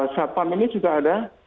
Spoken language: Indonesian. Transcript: satpam ini juga ada